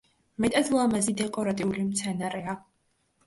მეტად ლამაზი დეკორატიული მცენარეა.